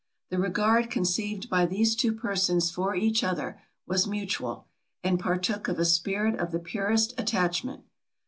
The regard conceived by these two persons for each other, was mutual, and partook of a spirit of the purest attachment.